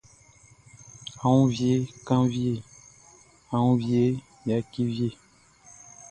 A wun vie kanvie a woun vie yaki vie.